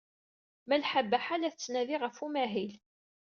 Malḥa Baḥa la tettnadi ɣef umahil.